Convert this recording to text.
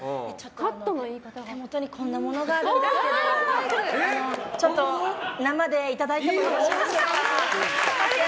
手元にこんなものがあるんですけど生でいただいてもよろしいでしょうか。